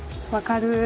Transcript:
分かる。